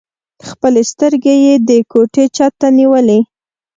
خپلې سترګې يې د کوټې چت ته ونيولې.